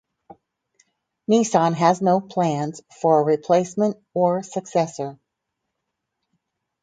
Nissan has no plans for a replacement or successor.